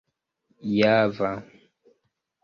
java